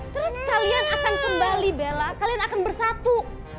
terus kalian akan kembali bella kalian akan bersatu